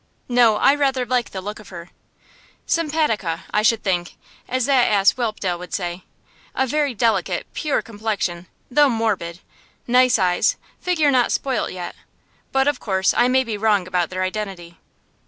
No, I rather like the look of her. Simpatica, I should think, as that ass Whelpdale would say. A very delicate, pure complexion, though morbid; nice eyes; figure not spoilt yet. But of course I may be wrong about their identity.